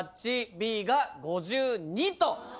Ｂが５２と。